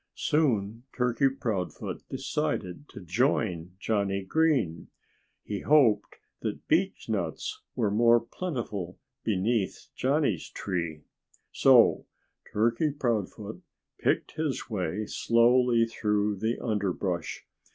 Soon Turkey Proudfoot decided to join Johnnie Green. He hoped that beechnuts were more plentiful beneath Johnnie's tree. So Turkey Proudfoot picked his way slowly through the underbrush.